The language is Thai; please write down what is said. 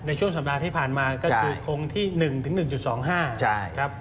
ในช่วงสัปดาห์ที่ผ่านมาก็คือคงที่๑๑๒๕ครับ